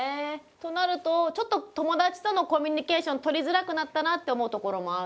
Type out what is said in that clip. となるとちょっと友達とのコミュニケーション取りづらくなったなって思うところもある？